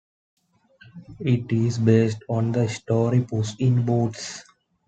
It is based on the story Puss in Boots.